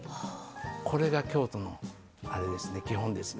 これが京都の基本ですね。